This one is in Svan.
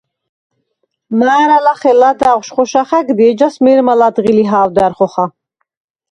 მა̄რა ლახე ლადაღშვ ხოშა ხა̈გდი, ეჯას მე̄რმა ლა̈დღი ლიჰა̄ვდა̈რ ხოხა.